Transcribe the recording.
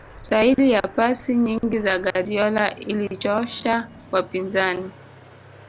staili ya pasi nyingi za guardiola ilichosha wapinzani